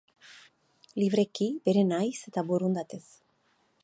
Libreki, bere nahiz eta borondatez.